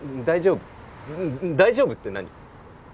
大丈夫大丈夫って何？